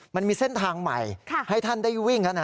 มันมีเส้นทางใหม่ให้ท่านได้วิ่งแล้วนะ